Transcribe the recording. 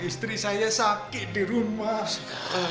istri saya sakit di rumah